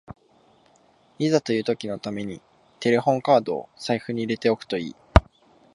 いざという時のためにテレホンカードを財布に入れておくといい